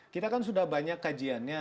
kita kan sudah banyak kajiannya